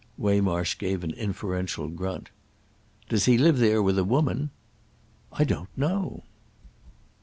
Waymarsh gave an inferential grunt. "Does he live there with a woman?" "I don't know."